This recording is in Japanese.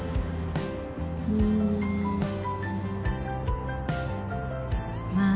うんまあ